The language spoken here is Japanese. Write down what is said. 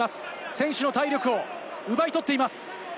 選手の体力を奪い取っています。